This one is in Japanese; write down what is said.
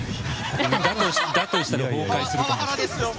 だとしたら崩壊するかも。